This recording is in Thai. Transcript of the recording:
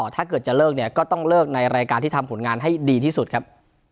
ถ้าเกิดจะเลิกเนี่ยก็ต้องเลิกในรายการที่ทำผลงานให้ดีที่สุดครับ